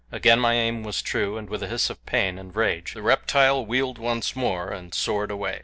Again my aim was true, and with a hiss of pain and rage the reptile wheeled once more and soared away.